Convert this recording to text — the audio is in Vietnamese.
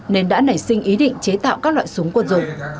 nên đã nảy sinh ý định chế tạo các loại súng quân dụng